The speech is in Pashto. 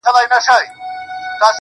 د سترگو د ملا خاوند دی.